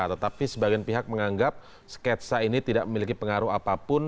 tetapi sebagian pihak menganggap sketsa ini tidak memiliki pengaruh apapun